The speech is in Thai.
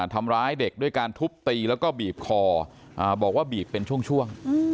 ทำร้ายเด็กด้วยการทุบตีแล้วก็บีบคอบอกว่าบีบเป็นช่วง